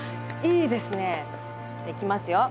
いきますよ。